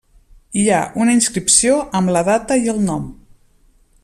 Hi ha una inscripció amb la data i el nom.